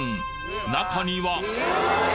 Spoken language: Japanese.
中にはえ！